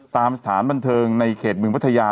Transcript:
สถานบันเทิงในเขตเมืองพัทยา